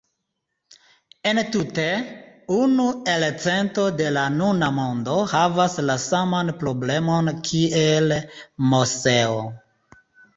Entute, unu elcento de la nuna mondo havas la saman problemon kiel Moseo.